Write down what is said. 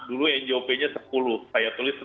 dulu ngop nya sepuluh saya tulis sepuluh